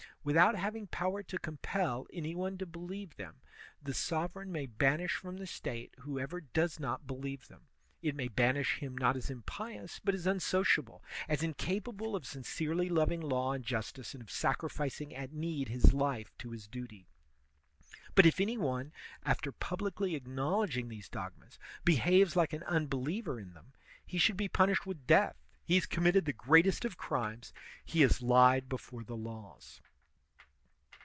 Without having power to compel any one to believe them, the sovereign may banish from the State whoever does not believe them; it may banish him not as impious, but as unsociable, as incapable of sincerely loving law and justice and of sacrificing at need his life to his duty. But if any one, after publicly acknowledging these dogmas, behaves like an unbeliever in them, he should be punished with death; he has committed the greatest of crimes, he has lied before the laws.